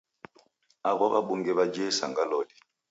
Aw'o w'abunge w'ajie isanga loli!